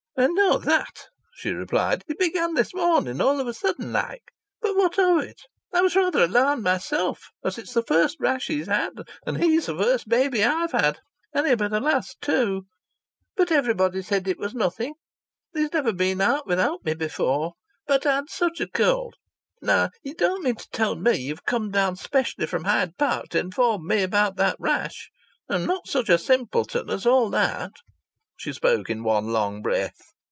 "I know that," she replied. "It began this morning, all of a sudden like. But what of it? I was rather alarmed myself, as it's the first rash he's had and he's the first baby I've had and he'll be the last too. But everybody said it was nothing. He's never been out without me before, but I had such a cold. Now you don't mean to tell me that you've come down specially from Hyde Park to inform me about that rash. I'm not such a simpleton as all that." She spoke in one long breath.